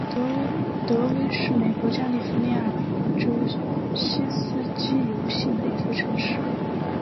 威德是美国加利福尼亚州锡斯基尤县的一座城市。